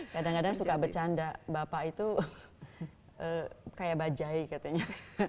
kadang kadang suka bercanda bapak itu kayak bajai katanya